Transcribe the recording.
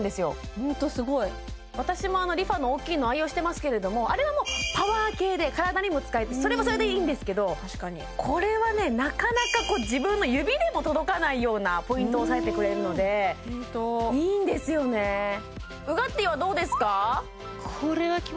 ホントすごい私もあのＲｅＦａの大きいの愛用してますけれどもあれはもうパワー系で体にも使えてそれはそれでいいんですけど確かにこれはねなかなか自分の指でも届かないようなポイントを押さえてくれるのでホントいいんですよねウガッティーはどうですか？